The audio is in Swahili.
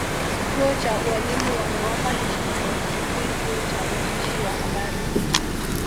Chuo cha ualimu wamewapa heshima ya kipekee chuo cha uandishi wa habari